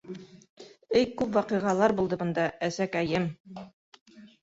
Эй күп ваҡиғалар булды бында, әсәкәйем!